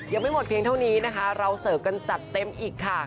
ยังไม่หมดเพียงเท่านี้นะคะเราเสิร์ฟกันจัดเต็มอีกค่ะ